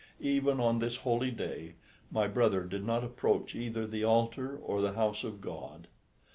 Even on this holy day my brother did not approach either the altar or the house of God.